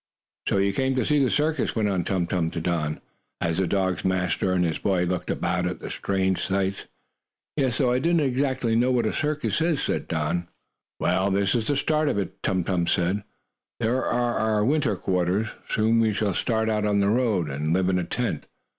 "So you came to see the circus?" went on Tum Tum to Don, as the dog's master and his boy looked about at the strange sights. "Yes, though I don't know exactly what a circus is," said Don. "Well, this is the start of it," Tum Tum said. "These are our winter quarters. Soon we shall start out on the road, and live in a tent.